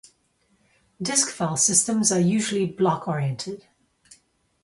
Disk file systems are usually block-oriented.